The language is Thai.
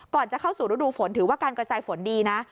ก่อนจะเข้าสู่ฤดูฝนถือว่าการกระจายฝนดีนะ